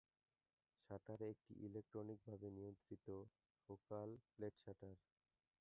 Shutter একটি ইলেকট্রনিকভাবে নিয়ন্ত্রিত ফোকাল-প্লেন শাটার।